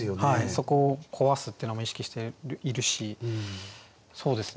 そこを壊すっていうのも意識しているしそうですね。